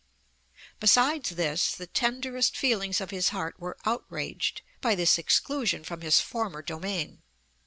Besides this, the tenderest feelings of his heart were outraged by this exclusion from his former domain.